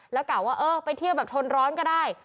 แล้วกะว่าเออไปเที่ยวแบบทนร้อนก็ได้